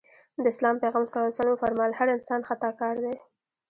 د اسلام پيغمبر ص وفرمایل هر انسان خطاکار دی.